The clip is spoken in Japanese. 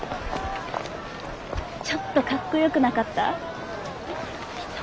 ちょっとかっこよくなかった？